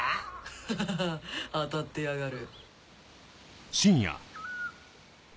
ハハハ当たってやがる